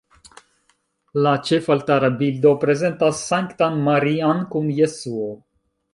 La ĉefaltara bildo prezentas Sanktan Marian kun Jesuo.